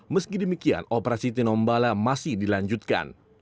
meski demikian operasi tinombala masih dilanjutkan